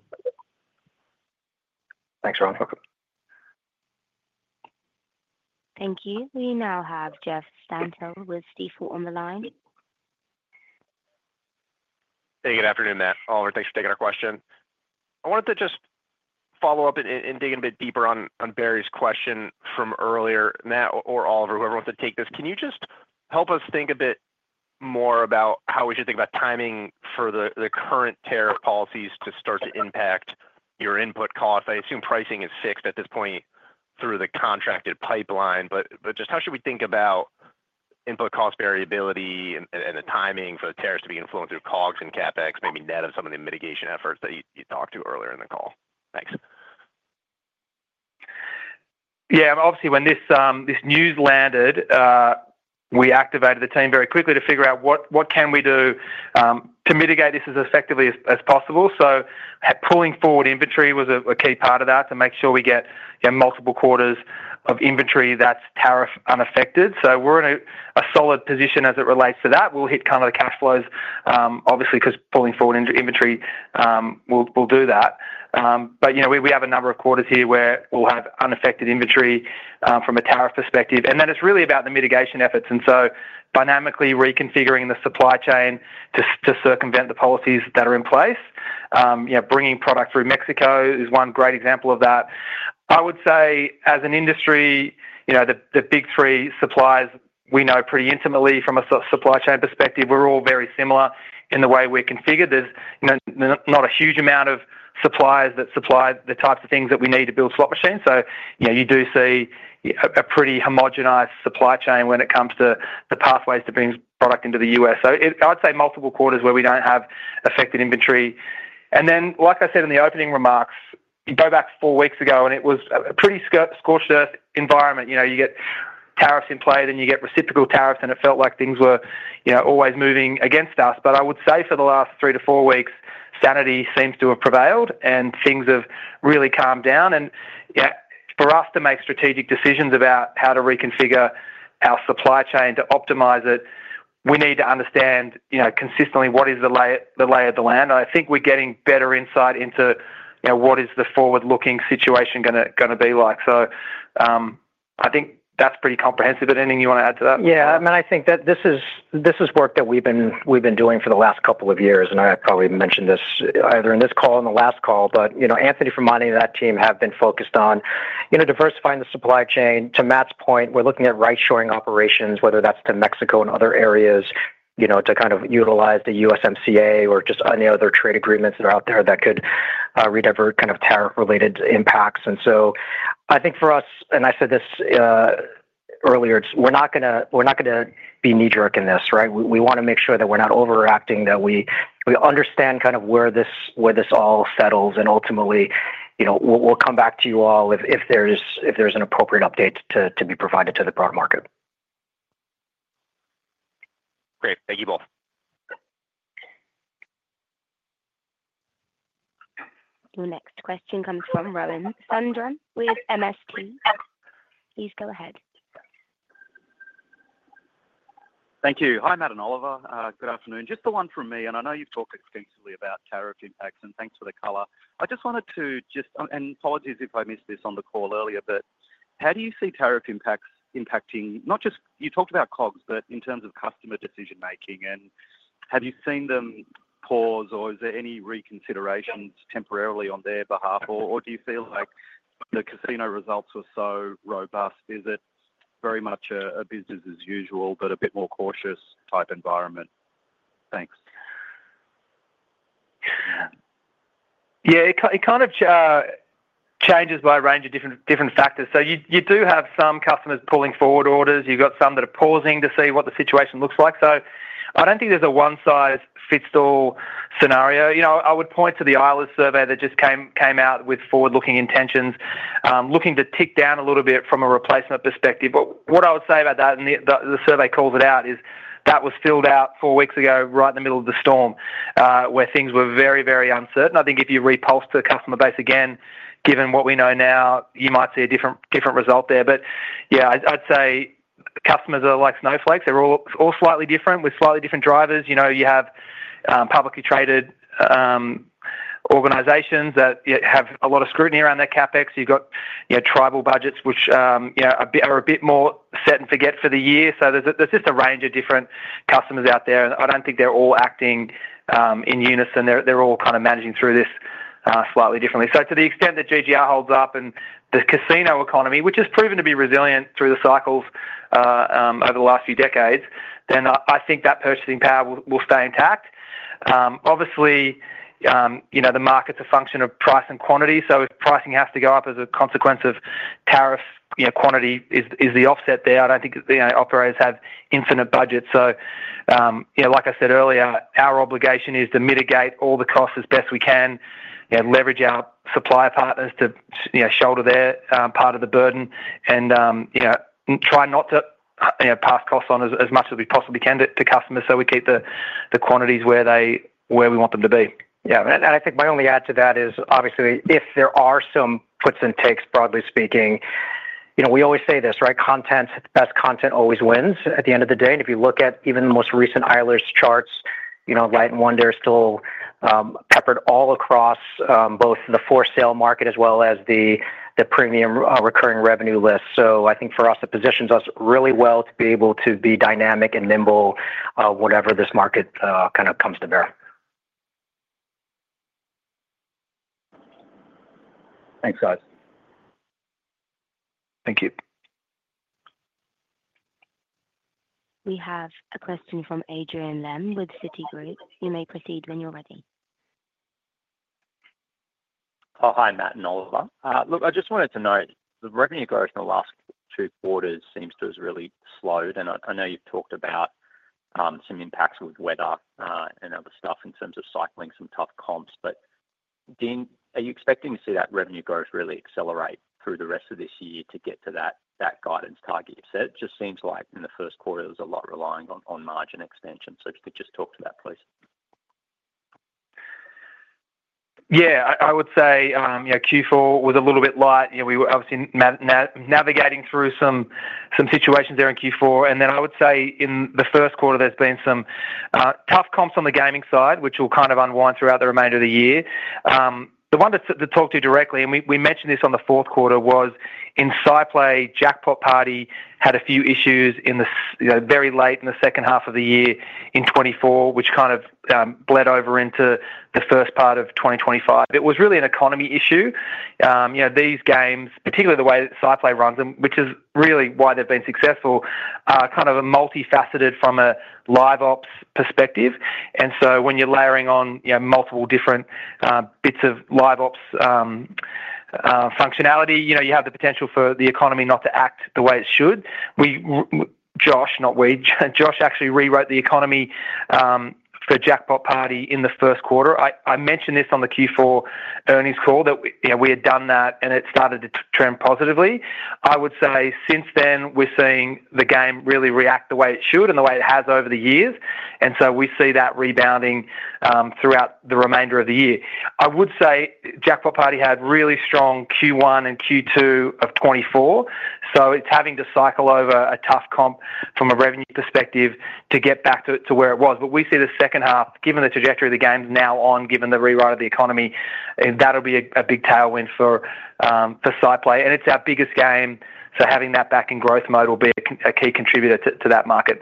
C: Thanks, Rohan.
A: Thank you. We now have Jeff Stantial with Stifel on the line.
K: Hey, good afternoon, Matt. Oliver, thanks for taking our question. I wanted to just follow up and dig in a bit deeper on Barry's question from earlier. Matt or Oliver, whoever wants to take this, can you just help us think a bit more about how we should think about timing for the current tariff policies to start to impact your input cost? I assume pricing is fixed at this point through the contracted pipeline, but just how should we think about input cost variability and the timing for the tariffs to be influenced through COGS and CapEx, maybe net of some of the mitigation efforts that you talked to earlier in the call? Thanks.
C: Yeah, obviously, when this news landed, we activated the team very quickly to figure out what can we do to mitigate this as effectively as possible. Pulling forward inventory was a key part of that to make sure we get multiple quarters of inventory that's tariff unaffected. We are in a solid position as it relates to that. We'll hit kind of the cash flows, obviously, because pulling forward inventory will do that. We have a number of quarters here where we'll have unaffected inventory from a tariff perspective. It is really about the mitigation efforts. Dynamically reconfiguring the supply chain to circumvent the policies that are in place. Bringing product through Mexico is one great example of that. I would say, as an industry, the big three suppliers we know pretty intimately from a supply chain perspective, we're all very similar in the way we're configured. There's not a huge amount of suppliers that supply the types of things that we need to build slot machines. You do see a pretty homogenized supply chain when it comes to the pathways to bring product into the U.S. I'd say multiple quarters where we don't have affected inventory. Like I said in the opening remarks, you go back four weeks ago, and it was a pretty scorched-earth environment. You get tariffs in play, then you get reciprocal tariffs, and it felt like things were always moving against us. I would say for the last three to four weeks, sanity seems to have prevailed, and things have really calmed down. For us to make strategic decisions about how to reconfigure our supply chain to optimize it, we need to understand consistently what is the lay of the land. I think we're getting better insight into what is the forward-looking situation going to be like. I think that's pretty comprehensive. Anything you want to add to that?
D: Yeah, I mean, I think that this is work that we've been doing for the last couple of years. I probably mentioned this either in this call or in the last call, but Anthony Firmani and that team have been focused on diversifying the supply chain. To Matt's point, we're looking at right-shoring operations, whether that's to Mexico and other areas, to kind of utilize the USMCA or just any other trade agreements that are out there that could read over kind of tariff-related impacts. I think for us, and I said this earlier, we're not going to be knee-jerk in this, right? We want to make sure that we're not overreacting, that we understand kind of where this all settles. Ultimately, we'll come back to you all if there's an appropriate update to be provided to the broader market.
K: Great. Thank you both.
A: The next question comes from Rohan Sundram with MST. Please go ahead.
L: Thank you. Hi, Matt and Oliver. Good afternoon. Just the one from me. I know you've talked extensively about tariff impacts, and thanks for the color. I just wanted to just—and apologies if I missed this on the call earlier—but how do you see tariff impacts impacting not just—you talked about COGS, but in terms of customer decision-making. Have you seen them pause, or is there any reconsiderations temporarily on their behalf? Do you feel like the casino results were so robust, is it very much a business-as-usual but a bit more cautious type environment? Thanks.
C: Yeah, it kind of changes by a range of different factors. You do have some customers pulling forward orders. You've got some that are pausing to see what the situation looks like. I don't think there's a one-size-fits-all scenario. I would point to the Eilers survey that just came out with forward-looking intentions, looking to tick down a little bit from a replacement perspective. What I would say about that, and the survey calls it out, is that was filled out four weeks ago right in the middle of the storm, where things were very, very uncertain. I think if you repulse the customer base again, given what we know now, you might see a different result there. Yeah, I'd say customers are like snowflakes. They're all slightly different with slightly different drivers. You have publicly traded organizations that have a lot of scrutiny around their CapEx. You've got tribal budgets, which are a bit more set and forget for the year. There's just a range of different customers out there. I don't think they're all acting in unison. They're all kind of managing through this slightly differently. To the extent that GGR holds up and the casino economy, which has proven to be resilient through the cycles over the last few decades, then I think that purchasing power will stay intact. Obviously, the market's a function of price and quantity. If pricing has to go up as a consequence of tariffs, quantity is the offset there. I don't think operators have infinite budgets. Like I said earlier, our obligation is to mitigate all the costs as best we can, leverage our supplier partners to shoulder their part of the burden, and try not to pass costs on as much as we possibly can to customers so we keep the quantities where we want them to be.
D: Yeah. I think my only add to that is, obviously, if there are some puts and takes, broadly speaking, we always say this, right? Content as content always wins at the end of the day. If you look at even the most recent Eilers charts, Light & Wonder are still peppered all across both the for-sale market as well as the premium recurring revenue list. I think for us, it positions us really well to be able to be dynamic and nimble whatever this market kind of comes to bear.
L: Thanks, guys.
D: Thank you.
A: We have a question from Adrian Lemme with Citigroup. You may proceed when you're ready.
M: Hi, Matt and Oliver. Look, I just wanted to note the revenue growth in the last two quarters seems to have really slowed. I know you've talked about some impacts with weather and other stuff in terms of cycling some tough comps. Dean, are you expecting to see that revenue growth really accelerate through the rest of this year to get to that guidance target you've set? It just seems like in the first quarter, it was a lot relying on margin extension. If you could just talk to that, please.
C: Yeah, I would say Q4 was a little bit light. We were obviously navigating through some situations there in Q4. I would say in the first quarter, there's been some tough comps on the gaming side, which will kind of unwind throughout the remainder of the year. The one to talk to directly, and we mentioned this on the fourth quarter, was in SciPlay, Jackpot Party had a few issues very late in the second half of the year in 2024, which kind of bled over into the first part of 2025. It was really an economy issue. These games, particularly the way that SciPlay runs them, which is really why they've been successful, are kind of multifaceted from a live ops perspective. When you're layering on multiple different bits of live ops functionality, you have the potential for the economy not to act the way it should. Josh, not we, Josh actually rewrote the economy for Jackpot Party in the first quarter. I mentioned this on the Q4 earnings call that we had done that, and it started to turn positively. I would say since then, we're seeing the game really react the way it should and the way it has over the years. We see that rebounding throughout the remainder of the year. I would say Jackpot Party had really strong Q1 and Q2 of 2024. It is having to cycle over a tough comp from a revenue perspective to get back to where it was. We see the second half, given the trajectory the game's now on, given the rewrite of the economy, that'll be a big tailwind for SciPlay. It is our biggest game. Having that back in growth mode will be a key contributor to that market.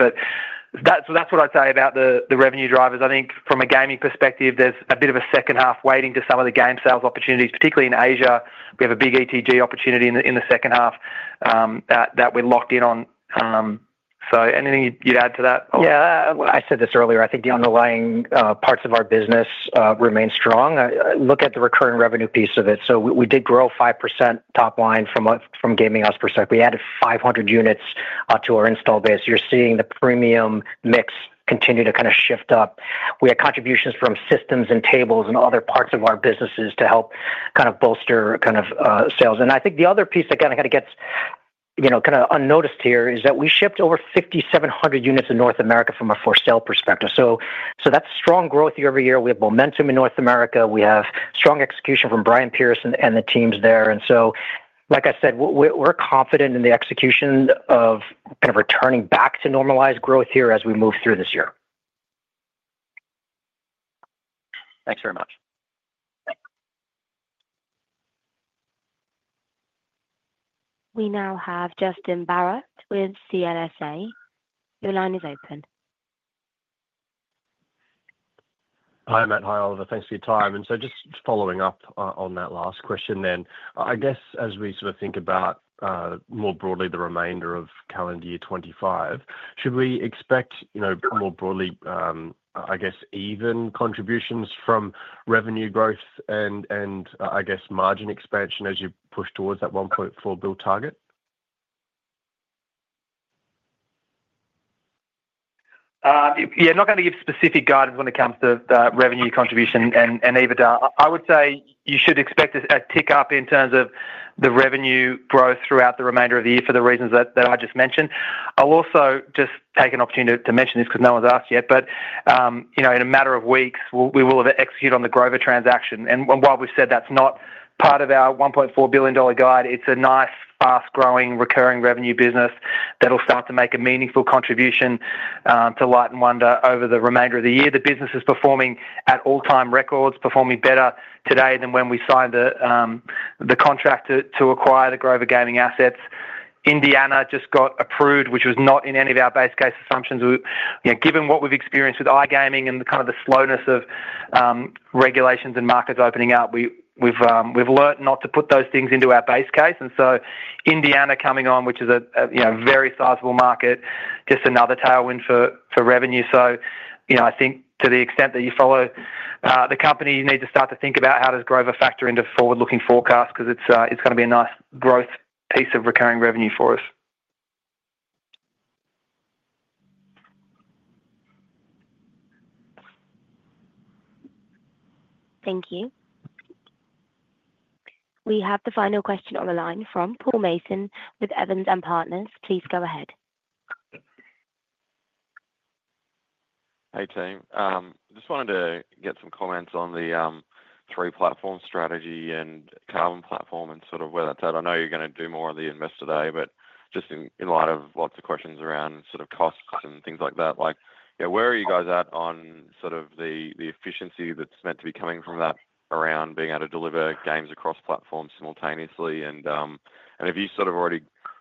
C: That is what I'd say about the revenue drivers. I think from a gaming perspective, there's a bit of a second half waiting to some of the game sales opportunities, particularly in Asia. We have a big ETG opportunity in the second half that we're locked in on. Anything you'd add to that?
D: Yeah. I said this earlier. I think the underlying parts of our business remain strong. Look at the recurring revenue piece of it. We did grow 5% top line from the gaming aspect of it. We added 500 units to our install base. You're seeing the premium mix continue to kind of shift up. We had contributions from systems and tables and other parts of our businesses to help kind of bolster sales. I think the other piece that kind of gets unnoticed here is that we shipped over 5,700 units in North America from a for-sale perspective. That is strong growth year-over-year. We have momentum in North America. We have strong execution from Brian Pierce and the teams there. Like I said, we're confident in the execution of kind of returning back to normalized growth here as we move through this year.
M: Thanks very much.
A: We now have Justin Barratt with CLSA. Your line is open.
N: Hi, Matt and hi, Oliver. Thanks for your time. Just following up on that last question, I guess as we sort of think about more broadly the remainder of calendar year 2025, should we expect more broadly, I guess, even contributions from revenue growth and, I guess, margin expansion as you push towards that $1.4 billion target?
C: Yeah. I'm not going to give specific guidance when it comes to revenue contribution. EBITDA, I would say you should expect a tick up in terms of the revenue growth throughout the remainder of the year for the reasons that I just mentioned. I'll also just take an opportunity to mention this because no one's asked yet. In a matter of weeks, we will have executed on the Grover transaction. While we've said that's not part of our $1.4 billion guide, it's a nice, fast-growing, recurring revenue business that'll start to make a meaningful contribution to Light & Wonder over the remainder of the year. The business is performing at all-time records, performing better today than when we signed the contract to acquire the Grover Gaming assets. Indiana just got approved, which was not in any of our base case assumptions. Given what we've experienced with iGaming and kind of the slowness of regulations and markets opening up, we've learned not to put those things into our base case. Indiana coming on, which is a very sizable market, is just another tailwind for revenue. I think to the extent that you follow the company, you need to start to think about how does Grover factor into forward-looking forecasts because it's going to be a nice growth piece of recurring revenue for us.
A: Thank you. We have the final question on the line from Paul Mason with Evans & Partners. Please go ahead.
O: Hey, team. Just wanted to get some comments on the three-platform strategy and carbon platform and sort of where that's at. I know you're going to do more on the investor day, but just in light of lots of questions around sort of costs and things like that, where are you guys at on sort of the efficiency that's meant to be coming from that around being able to deliver games across platforms simultaneously? Have you sort of already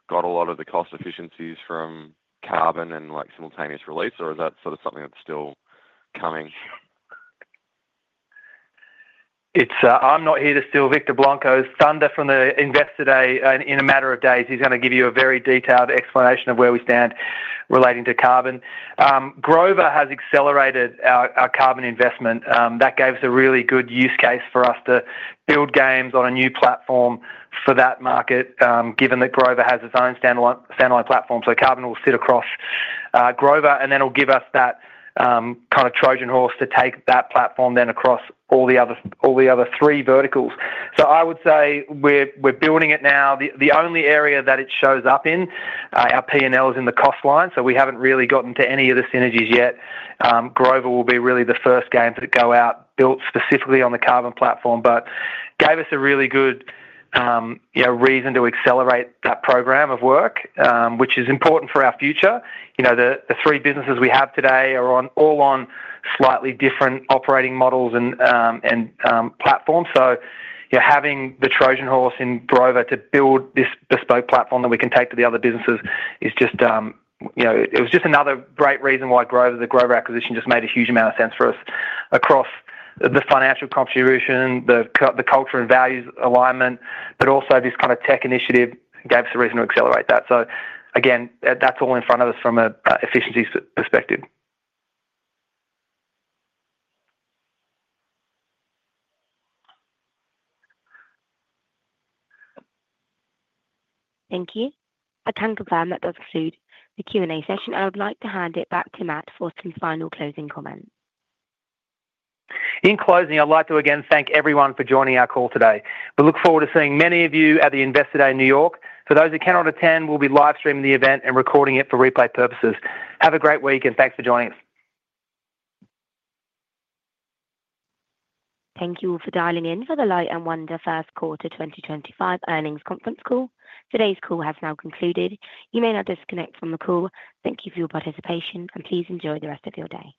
O: got a lot of the cost efficiencies from carbon and simultaneous release, or is that sort of something that's still coming?
D: I'm not here to steal Victor Blanco's thunder from the investor day. In a matter of days, he's going to give you a very detailed explanation of where we stand relating to carbon. Grover has accelerated our carbon investment. That gave us a really good use case for us to build games on a new platform for that market, given that Grover has its own standalone platform. Carbon will sit across Grover, and then it'll give us that kind of Trojan Horse to take that platform then across all the other three verticals. I would say we're building it now. The only area that it shows up in our P&L is in the cost line. We have not really gotten to any of the synergies yet. Grover will be really the first games that go out built specifically on the carbon platform, but gave us a really good reason to accelerate that program of work, which is important for our future. The three businesses we have today are all on slightly different operating models and platforms. Having the Trojan Horse in Grover to build this bespoke platform that we can take to the other businesses is just—it was just another great reason why the Grover acquisition just made a huge amount of sense for us across the financial contribution, the culture and values alignment, but also this kind of tech initiative gave us a reason to accelerate that. Again, that is all in front of us from an efficiency perspective.
A: Thank you. A ton of that does include the Q&A session. I would like to hand it back to Matt for some final closing comments.
C: In closing, I'd like to again thank everyone for joining our call today. We look forward to seeing many of you at the Investor Day in New York. For those who cannot attend, we'll be live streaming the event and recording it for replay purposes. Have a great week, and thanks for joining us.
A: Thank you all for dialing in for the Light & Wonder First Quarter 2025 earnings conference call. Today's call has now concluded. You may now disconnect from the call. Thank you for your participation, and please enjoy the rest of your day.